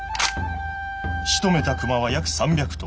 しとめた熊は約３００頭。